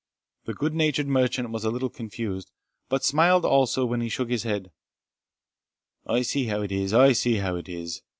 The good natured merchant was a little confused, but smiled also when he shook his head "I see how it is I see how it is.